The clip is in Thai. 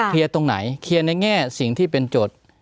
เคลียร์ตรงไหนเคลียร์ในแง่สิ่งที่เป็นจด